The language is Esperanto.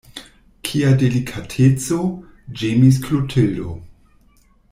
Kia delikateco, ĝemis Klotildo.